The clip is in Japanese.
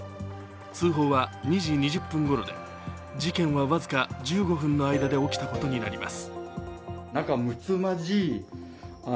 通報は２時２０分ごろで事件は僅か１５分の間で起きたことになります。